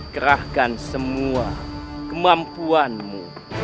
kerahkan semua kemampuanmu